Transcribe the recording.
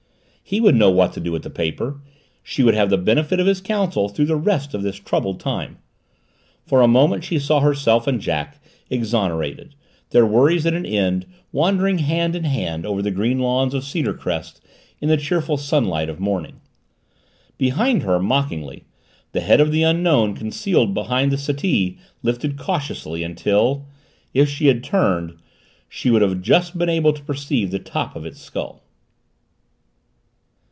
He would know what to do with the paper she would have the benefit of his counsel through the rest of this troubled time. For a moment she saw herself and Jack, exonerated, their worries at an end, wandering hand in hand over the green lawns of Cedarcrest in the cheerful sunlight of morning. Behind her, mockingly, the head of the Unknown concealed behind the settee lifted cautiously until, if she had turned, she would have just been able to perceive the top of its skull.